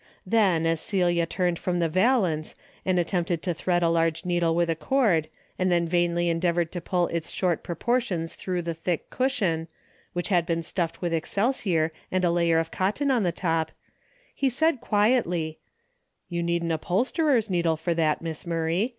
Then, as Celia turned from the valance and attempted to thread a large needle with a cord and then vainly endeavored to pull its short proportions through the thick " 4 DAILY RATEA' 225 cushion, which had been stuffed with excelsior and a layer of cotton on the top, he said quietly :" You need an upholsterer's needle for that. Miss Murray.